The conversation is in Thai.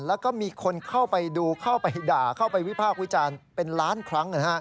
แล้วก็มีคนเข้าไปดูเข้าไปด่าเข้าไปวิพากษ์วิจารณ์เป็นล้านครั้ง